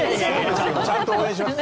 ちゃんと応援します。